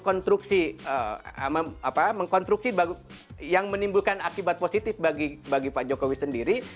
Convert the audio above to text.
konstruksi mengkonstruksi yang menimbulkan akibat positif bagi pak jokowi sendiri